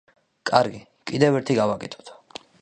კარგი, კიდევ ერთი გავაკეთოთ.